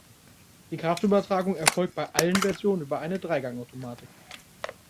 Die Kraftübertragung erfolgt bei allen Versionen über eine Dreigangautomatik.